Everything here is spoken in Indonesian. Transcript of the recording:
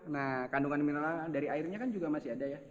nah kandungan mineral dari airnya kan juga masih ada ya